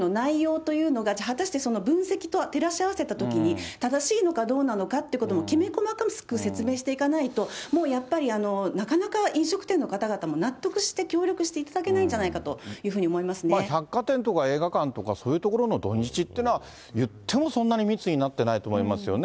だから、そのまん防の内容というのが、果たしてその分析と照らし合わせたときに正しいのかどうなのかっていうこともきめ細かく説明していかないと、もうやっぱりなかなか飲食店の方々も納得して協力していただけないんじゃない百貨店とか映画館とか、そういうところの土日っていうのは、いってもそんなに密になってないと思いますよね。